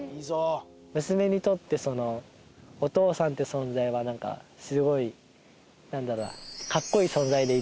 娘にとってそのお父さんって存在は何かすごい何だろうな。